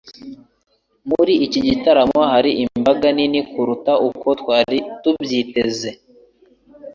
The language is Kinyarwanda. Muri iki gitaramo hari imbaga nini kuruta uko twari tubyiteze.